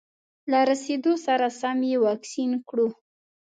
له رسېدو سره سم یې واکسین کړو.